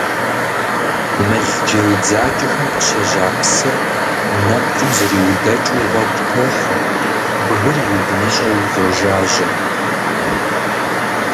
Мыл джей дзакӀэхэм къыщежьа псыр, нэпкъым зриудэкӀыу, гъуэгу тохьэ, бгыр иудыныщӀэу йожажьэ.